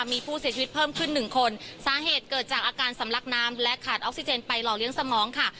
มีผู้เสียชีวิตเพิ่มขึ้นหนึ่งคนสาเหตุเกิดจากอาการสำลักน้ำและขาดออกซิเจนไปหล่อเลี้ยงสมองค่ะ